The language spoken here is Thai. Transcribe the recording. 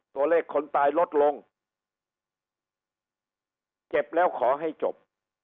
ตัวเลขคนตายลดลงเจ็บแล้วขอให้จบ